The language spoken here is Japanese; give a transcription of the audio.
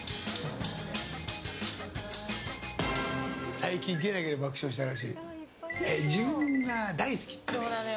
最近ゲラゲラ爆笑した話。